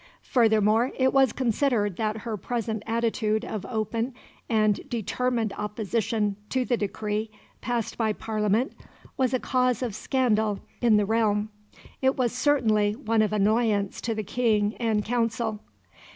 Furthermore it was considered that her present attitude of open and determined opposition to the decree passed by Parliament was a cause of scandal in the realm. It was certainly one of annoyance to the King and Council.